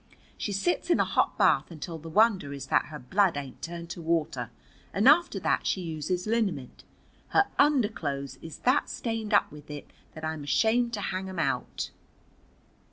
She sits in a hot bath until the wonder is that her blood ain't turned to water. And after that she uses liniment. Her underclothes is that stained up with it that I'm ashamed to hang 'em out."